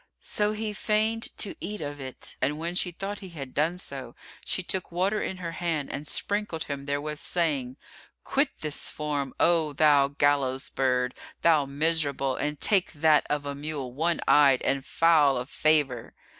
So he feigned to eat of it and when she thought he had done so, she took water in her hand and sprinkled him therewith, saying, "Quit this form, O thou gallows bird, thou miserable, and take that of a mule one eyed and foul of favour."